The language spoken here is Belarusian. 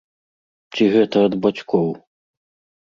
Ці гэта ад бацькоў?